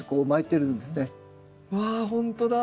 わほんとだ。